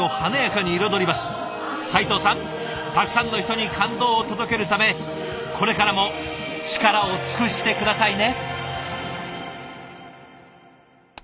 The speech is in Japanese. たくさんの人に感動を届けるためこれからも力を尽くして下さいね。